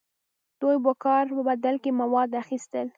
دوی به د کار په بدل کې مواد اخیستل.